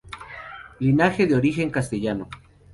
Linaje de origen castellano.